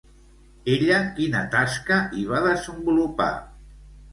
Ella quina tasca hi va desenvolupar?